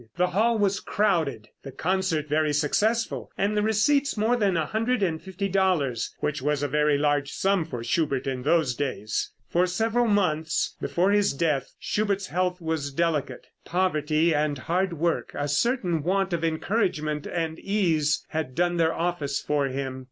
The hall was crowded, the concert very successful, and the receipts more than $150, which was a very large sum for Schubert in those days. For several months before his death Schubert's health was delicate. Poverty and hard work, a certain want of encouragement and ease had done their office for him.